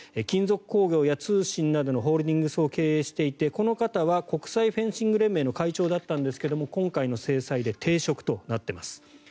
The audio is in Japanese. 金属鉱業や通信などのホールディングスを経営していてこの方は国際フェンシング連盟の会長だったんですが今回の制裁で停職となっています。